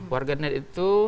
warga net itu